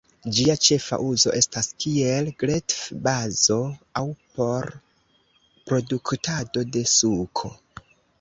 Ĝia ĉefa uzo estas kiel gretfbazo aŭ por produktado de suko.